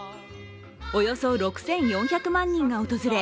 およそ６４００万人が訪れ